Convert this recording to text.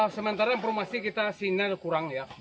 sementara informasi kita sinyal kurang ya